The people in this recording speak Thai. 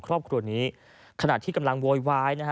ครอบครัวนี้ขนาดที่กำลังโวยวาย